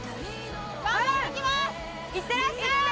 いってらっしゃい！